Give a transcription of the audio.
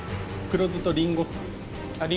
黒酢とリンゴ酢？